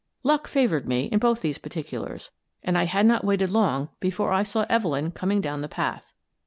Luck favoured me in both these particulars, and I had not waited long before I saw Evelyn coming down the path.